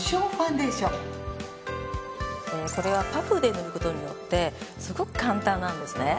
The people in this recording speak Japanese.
これはパフで塗ることによってすごく簡単なんですね。